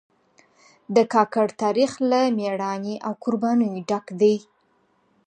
د کاکړ تاریخ له مېړانې او قربانیو ډک دی.